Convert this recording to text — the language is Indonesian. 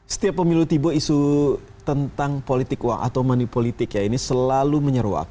setiap pemilu tiba isu tentang politik uang atau manipolitik ya ini selalu menyeruak